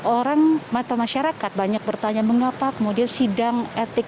orang atau masyarakat banyak bertanya mengapa kemudian sidang etik